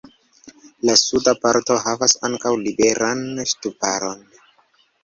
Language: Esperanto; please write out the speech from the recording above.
La suda parto havas ankaŭ liberan ŝtuparon.